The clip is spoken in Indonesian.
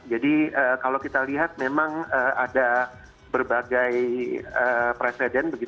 jadi kalau kita lihat memang ada berbagai presiden